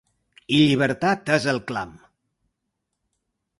I llibertat és el clam!